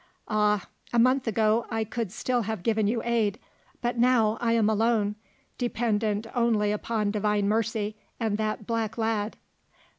"Ah, a month ago I could still have given you aid. But now I am alone dependent only upon Divine mercy and that black lad."